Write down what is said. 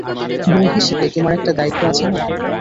বোন হিসেবে তোমার একটা দায়িত্ব আছেনা।